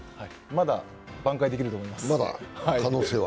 まだ挽回できると思います。